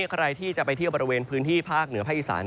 ใครที่จะไปเที่ยวบริเวณพื้นที่ภาคเหนือภาคอีสาน